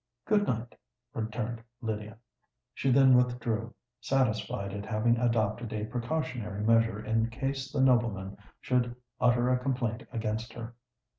"Good night," returned Lydia. She then withdrew—satisfied at having adopted a precautionary measure in case the nobleman should utter a complaint against her.